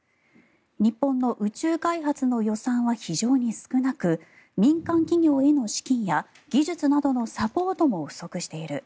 日本の宇宙開発の予算は非常に少なく民間企業への資金や技術などのサポートも不足している。